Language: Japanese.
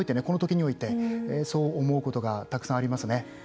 このときにおいてそう思うことがたくさんありますね。